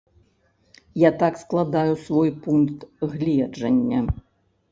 Я так складаю свой пункт гледжання.